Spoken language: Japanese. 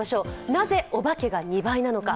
なぜお化けが２倍なのか。